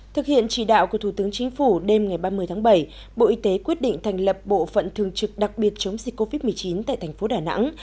thực hiện chỉ đạo của thủ tướng chính phủ đêm ngày ba mươi tháng bảy bộ y tế quyết định thành lập bộ phận thường trực đặc biệt chống dịch covid một mươi chín tại thành phố đà nẵng